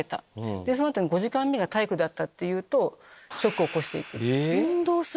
その後に５時間目が体育だったっていうとショックを起こしていく。